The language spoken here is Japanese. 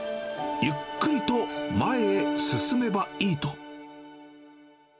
ゆっくりと前へ進めばいいと。